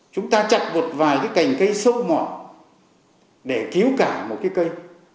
chúng ta chặt một vài cái cành cây sâu mọt để cứu cả một cái cây